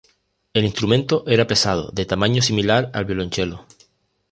El instrumento era pesado, de tamaño similar al violonchelo.